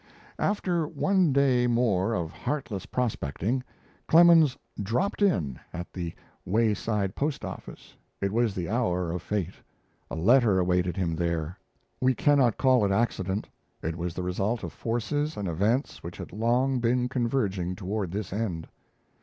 After one day more of heartless prospecting, Clemens "dropped in" at the wayside post office. It was the hour of fate! A letter awaited him there. We cannot call it accident it was the result of forces and events which had long been converging toward this end.